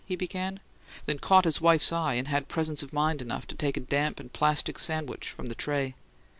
he began, then caught his wife's eye, and had presence of mind enough to take a damp and plastic sandwich from the tray.